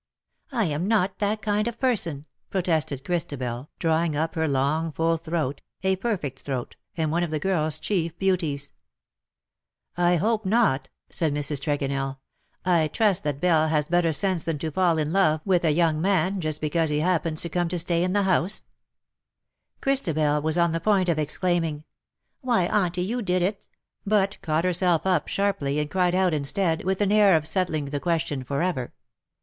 '^ I am not that kind of person," protested Christabel, drawing up her long full throat, a perfect throat, and one of the girl's chief beauties. '^ I hope not," said Mrs. Tregonell ;" I trust that Belle has better sense than to fall in love j:j THE DAYS THAT ARE NO MORE. Tvith a young man, just because he happens to come to stay in the house/'' Christabel was on the point of exclaiming, ^' Why, Auntie, you did it ,'' but caught herself up sharply, and cried out instead, with an air of settling the question for ever.